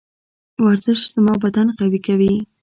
ورزش زما بدن قوي کوي.